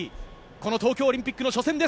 この東京オリンピックの初戦。